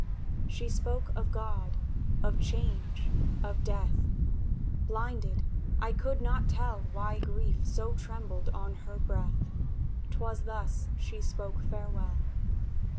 40 TO A LILY. She spoke of God, of Change, of Death ; Blinded, I could not tell Why grief so trembled on her breath: Twas thus she spoke farewell!